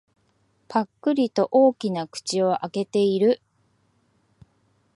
ぱっくりと大きな口を開けている。